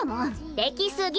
できすぎ！